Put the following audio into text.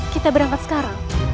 kita berangkat sekarang